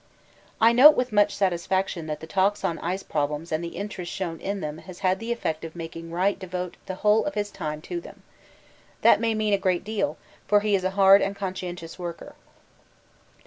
I note with much satisfaction that the talks on ice problems and the interest shown in them has had the effect of making Wright devote the whole of his time to them. That may mean a great deal, for he is a hard and conscientious worker.